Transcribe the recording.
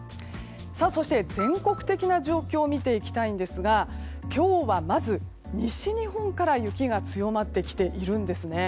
そして、全国的な状況を見ていきたいんですが今日はまず、西日本から雪が強まってきているんですね。